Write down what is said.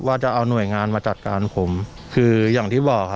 ว่าจะเอาหน่วยงานมาจัดการผมคืออย่างที่บอกค่ะ